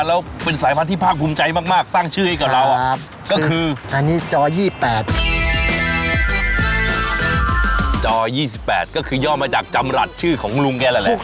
แล้วเป็นสายพันธุ์ที่พลาดภูมิใจมากสร้างชื่อให้กับเรา